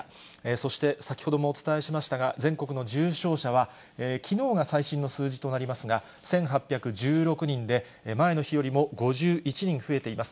そして先ほどもお伝えしましたが、全国の重症者は、きのうが最新の数字となりますが、１８１６人で、前の日よりも５１人増えています。